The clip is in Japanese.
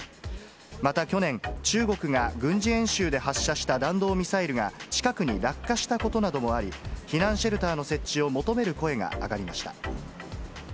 また去年、中国が軍事演習で発射した弾道ミサイルが、近くに落下したことなどもあり、避難シェルターの設置を求める声が上がりました。